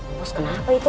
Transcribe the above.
hai terus kenapa itu